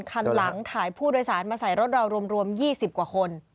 คันหลังถ่ายผู้โดยสารมาใส่รถเรารวม๒๐กว่าคน